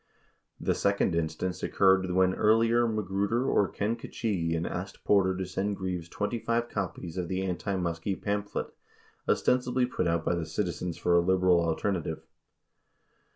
49 The second instance occurred when either Magruder or Ken Khachigian asked Porter to send Greaves 25 copies of the anti Muskie pamphlet ostensibly put out by the "Citizens for a Liberal Alterna tive."